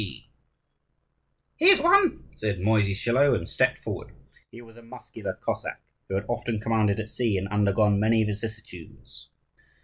"Here is one," said Mosiy Schilo, and stepped forward. He was a muscular Cossack, who had often commanded at sea, and undergone many vicissitudes.